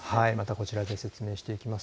こちらで説明します。